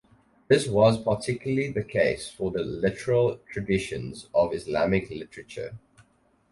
This was particularly the case for the literary traditions of Islamic literature.